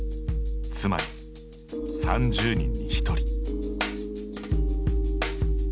つまり３０人に１人。